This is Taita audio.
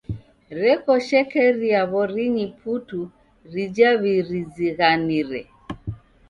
Reko shekeria w'orinyi putu rija w'irizighanire.